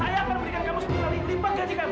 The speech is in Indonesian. saya akan memberikan kamu sepuluh kali limpa gaji kamu